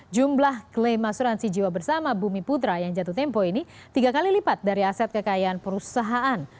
jumlah klaim asuransi jiwa bersama bumi putra yang jatuh tempo ini tiga kali lipat dari aset kekayaan perusahaan